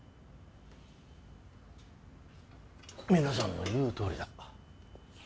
皆さんの言うとおりだ。